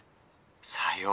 「さよう。